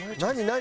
何？